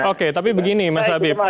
oke tapi begini mas habib